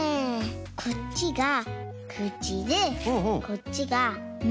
こっちがくちでこっちがめ！